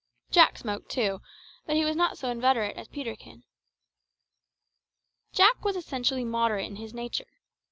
Jack smoked too, but he was not so inveterate as Peterkin. Jack was essentially moderate in his nature.